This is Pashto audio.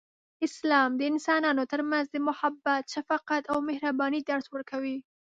اسلام د انسانانو ترمنځ د محبت، شفقت، او مهربانۍ درس ورکوي.